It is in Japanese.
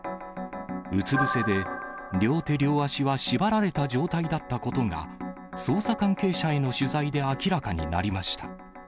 うつ伏せで、両手両足は縛られた状態だったことが、捜査関係者への取材で明らかになりました。